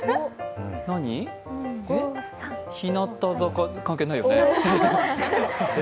日向坂、関係ないよね？